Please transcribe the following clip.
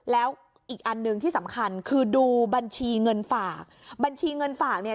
แล้วอีกอันหนึ่งที่สำคัญคือดูบัญชีเงินฝากบัญชีเงินฝากเนี่ย